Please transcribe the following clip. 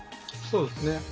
そうですね。